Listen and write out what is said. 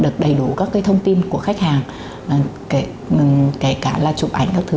các thông tin của khách hàng kể cả là chụp ảnh các thứ